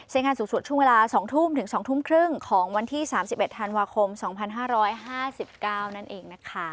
งานสูงสุดช่วงเวลา๒ทุ่มถึง๒ทุ่มครึ่งของวันที่๓๑ธันวาคม๒๕๕๙นั่นเองนะคะ